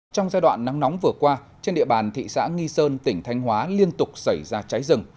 trong giai đoạn nắng nóng vừa qua trên địa bàn thị xã nghi sơn tỉnh thanh hóa liên tục xảy ra cháy rừng